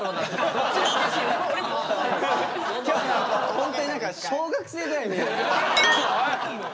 ホントに何か小学生ぐらいに見えますね。